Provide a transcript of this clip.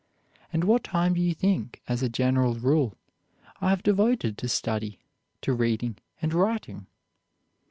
And what time do you think, as a general rule, I have devoted to study, to reading and writing?